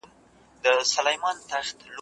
زموږ دفتحي د جشنونو `